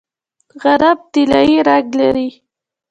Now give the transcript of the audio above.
غنم طلایی رنګ لري.